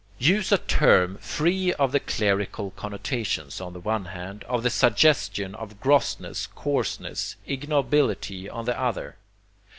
Use a term free of the clerical connotations, on the one hand; of the suggestion of gross ness, coarseness, ignobility, on the other.